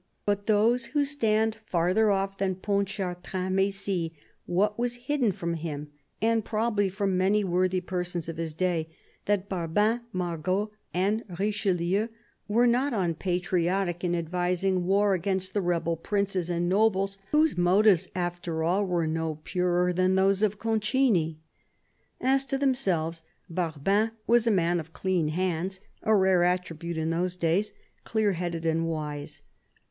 But those who stand farther off than Pontchartrain may see what was hidden from him, and probably from many worthy persons of his day — that Barbin, Mangot and Richelieu were not unpatriotic in advising war against the rebel princes and nobles, whose motives, after all, were no purer than those of Concini. As to themselves, Barbin was a man of clean hands, a rare attribute in those days ; clear headed and wise.